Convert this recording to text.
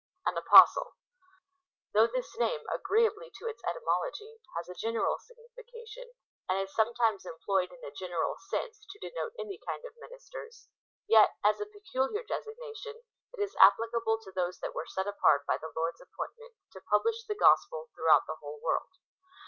^ An A2}0stle. Though this name, agreeably to its etymo logy, has a general signification, and is sometimes employed in a general sense, to denote any kind of ministers,^ yet, as a peculiar designation, it is applicable to those that were set apart by the Lord's appointment to publish the Gospel throughout the whole world.